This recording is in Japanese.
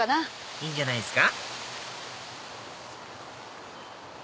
いいんじゃないっすか